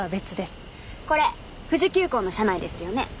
これ富士急行の車内ですよね？